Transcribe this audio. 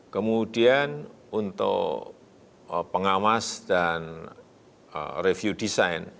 kemudian untuk pengawas dan review desain